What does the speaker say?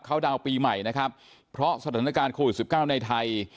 เขาดาวน์ปีใหม่นะครับเพราะสถานการณ์โควิด๑๙ในไทย